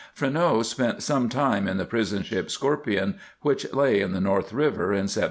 Freneau spent some time in the prison ship Scorpion which lay in the North River in 1780.